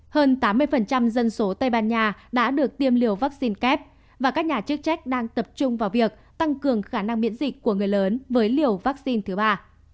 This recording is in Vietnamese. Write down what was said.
hơn tám mươi dân số tây ban nha đã được tiêm liều vaccine kép và các nhà chức trách đang tập trung vào việc tăng cường khả năng miễn dịch của người lớn với liều vaccine thứ ba